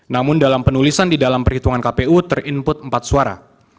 namun dalam penulisan di dalam perhitungan kpu ter input empat suara